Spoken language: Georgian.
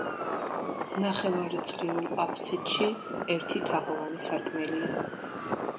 ნახევარწრიულ აფსიდში ერთი თაღოვანი სარკმელია.